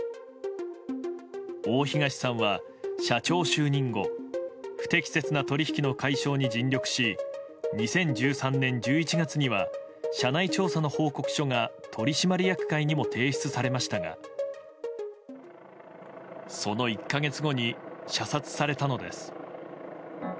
大東さんは、社長就任後不適切な取引の解消に尽力し２０１３年１１月には社内調査の報告書が取締役会にも提出されましたがその１か月後に射殺されたのです。